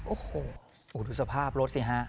โอ้โหดูสภาพรถเสียหา